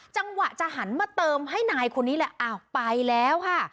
จังหวะจะหันมาเติมให้นายคนนี้แหละอ้าวไปแล้วค่ะ